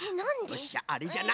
よしじゃああれじゃな。